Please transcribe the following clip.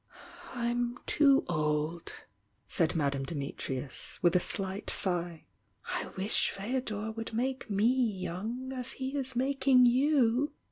"I'm too old," said Madame Dimitrius, with a slight sigh. "I wish Feodor would make me young as he is making you!"